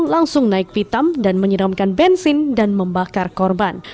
langsung naik pitam dan menyidangkan bensin dan membakar korban